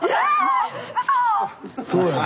そうやで。